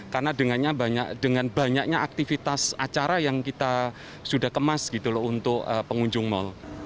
karena dengannya banyak dengan banyaknya aktivitas acara yang kita sudah kemas gitu loh untuk pengunjung mal